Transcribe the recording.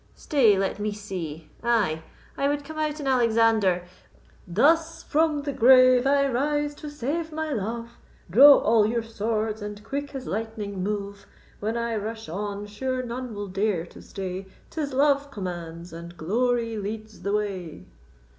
Stay, let me see; ay, I would come out in Alexander: Thus from the grave I rise to save my love, Draw all your swords, and quick as lightning move. When I rush on, sure none will dare to stay: 'Tis love commands, and glory leads the way."